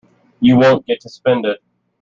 You won't get to spend it.